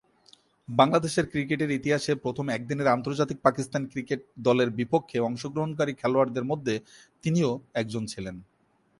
বাংলাদেশের ক্রিকেটের ইতিহাসে প্রথম একদিনের আন্তর্জাতিকে পাকিস্তান ক্রিকেট দলের বিপক্ষে অংশগ্রহণকারী খেলোয়াড়দের মধ্যে তিনিও একজন ছিলেন।